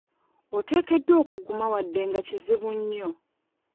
Oteekeddwa okuguma wadde nga kizibu nnyo.